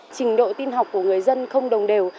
trình độ tin học của người dân không đồng đều